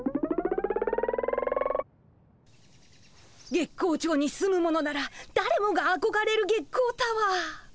月光町に住む者ならだれもがあこがれる月光タワー。